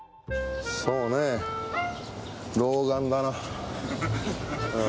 そうね老眼だな。